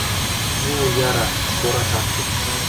— Ну, яра, спораш ак кел.